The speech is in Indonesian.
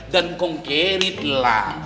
dan kongkirit lah